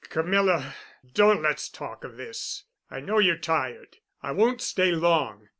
"Camilla, don't let's talk of this. I know you're tired. I won't stay long.